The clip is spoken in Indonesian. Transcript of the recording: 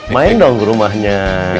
main dong rumahnya